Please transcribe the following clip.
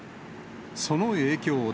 その影響で。